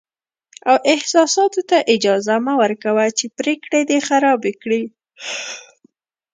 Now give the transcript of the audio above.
او احساساتو ته اجازه مه ورکوه چې پرېکړې دې خرابې کړي.